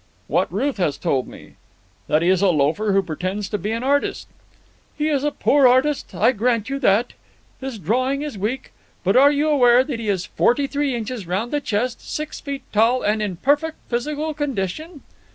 "What Ruth has told me. That he is a loafer who pretends to be an artist." "He is a poor artist. I grant you that. His drawing is weak. But are you aware that he is forty three inches round the chest, six feet tall, and in perfect physical condition?"